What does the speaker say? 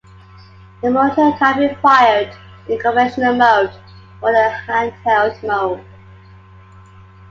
The mortar can be fired in the conventional mode or the handheld mode.